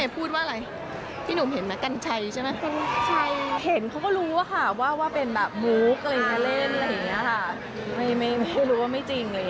คุณหนูเห็นไหมแม่เมย์พูดว่าอะไร